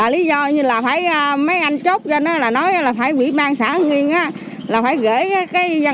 lúa thốc thì bà